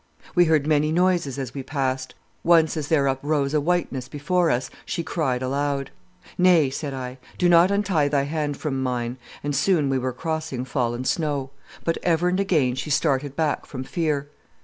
"We heard many noises as we passed. Once as there uprose a whiteness before us, she cried aloud. "'Nay,' said I, 'do not untie thy hand from mine,' and soon we were crossing fallen snow. But ever and again she started back from fear.